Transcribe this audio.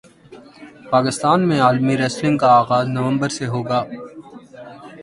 پاکستان میں عالمی ریسلنگ کا اغاز نومبر سے ہوگا